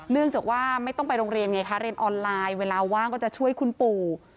เนื่องจากว่าไม่ต้องไปโรงเรียนไงคะเรียนออนไลน์เวลาว่างก็จะช่วยคุณปู่